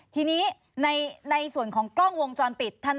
ทีนี้ในส่วนของกล้องวงจรปิด